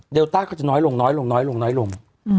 ต้าก็จะน้อยลงน้อยลงน้อยลงน้อยลง